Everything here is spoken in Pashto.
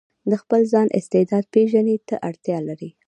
د خپل ځان استعداد پېژندنې ته اړتيا لري.